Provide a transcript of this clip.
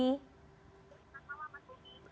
selamat malam mbak nana